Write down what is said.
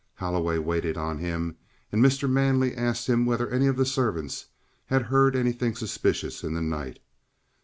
Holloway waited on him, and Mr. Manley asked him whether any of the servants had heard anything suspicious in the night.